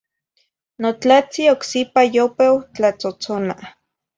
Notlatzi ocsipa yopeu tlatzotzona.